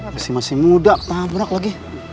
masih masih muda tabrak lagi